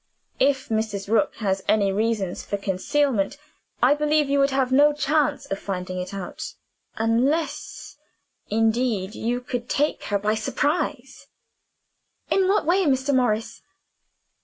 "If Mrs. Rook has any reasons for concealment, I believe you would have no chance of finding it out unless, indeed, you could take her by surprise." "In what way, Mr. Morris?"